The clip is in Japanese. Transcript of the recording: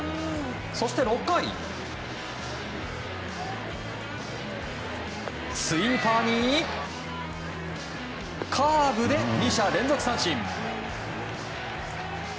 そして、６回スイーパーにカーブで２者連続三振！